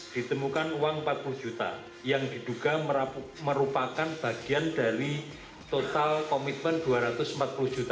ditemukan uang empat puluh juta yang diduga merupakan bagian dari total komitmen dua ratus empat puluh juta